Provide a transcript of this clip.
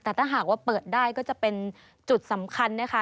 แต่ถ้าหากว่าเปิดได้ก็จะเป็นจุดสำคัญนะคะ